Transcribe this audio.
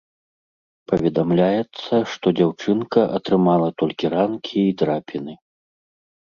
Паведамляецца, што дзяўчынка атрымала толькі ранкі і драпіны.